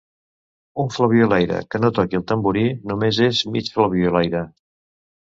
Un flabiolaire que no toqui el tamborí només és mig flabiolaire.